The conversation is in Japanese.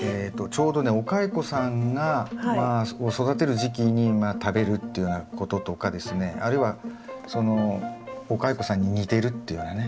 ちょうどねお蚕さんを育てる時期に食べるっていうようなこととかですねあるいはそのお蚕さんに似てるっていうようなね